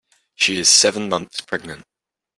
She is seven months pregnant.